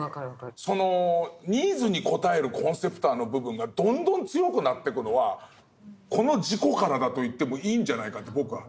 そのニーズに応えるコンセプターの部分がどんどん強くなってくのはこの事故からだと言ってもいいんじゃないかって僕は。